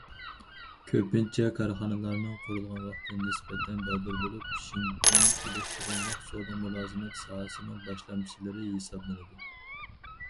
كۆپىنچە كارخانىلارنىڭ قۇرۇلغان ۋاقتى نىسبەتەن بالدۇر بولۇپ، شىنجاڭ ئېلېكتىرونلۇق سودا مۇلازىمەت ساھەسىنىڭ باشلامچىلىرى ھېسابلىنىدۇ.